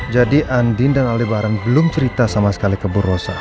jadi andin dan aldebaran belum cerita sama sekali keburosa